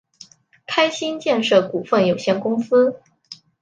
开心建设股份有限公司